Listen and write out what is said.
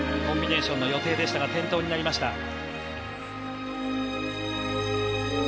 コンビネーションの予定でしたが転倒になりました。